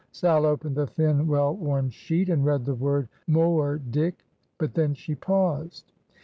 Sal opened the thin, well worn sheet, and read the word "Moerdyk," but then she paused.